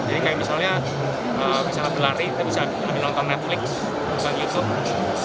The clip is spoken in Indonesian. jadi misalnya misalnya berlari kita bisa nonton netflix youtube